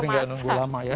biar nggak nunggu lama ya